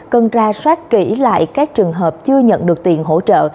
cần ra soát kỹ lại các trường hợp chưa nhận được tiền hỗ trợ